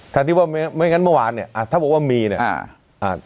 ที่ว่าไม่ไม่งั้นเมื่อวานเนี้ยอ่าถ้าบอกว่ามีเนี่ยอ่าอ่า